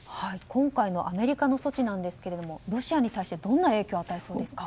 今回のアメリカの措置ですけどロシアに対してどんな影響を与えそうですか？